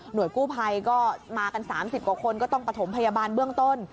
โดยกู้ภัยก็มากัน๓๐กว่าคนก็ต้องประถมพยาบาลเบื้องต้น